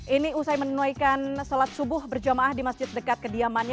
ini usai menunaikan sholat subuh berjamaah di masjid dekat kediamannya